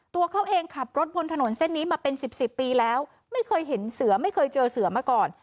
ตัวเขาเองขับรถบนถนนเส้นนี้มาเป็นสิบสิบปีแล้วไม่เคยเห็นเสือไม่เคยเจอเสือมาก่อน